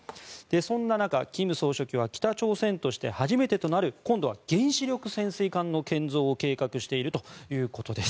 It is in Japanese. そんな中、金総書記は北朝鮮として初めてとなる今度は原子力潜水艦の建造を計画しているということです。